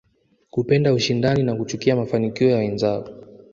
Kupenda ushindani na kuchukia mafanikio ya wenzao